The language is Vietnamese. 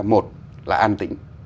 một là an tĩnh